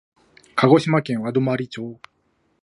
鹿児島県和泊町